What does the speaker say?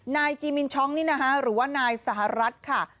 นายจีมินช็องนี่นะคะหรือว่านายสหรัฐค่ะ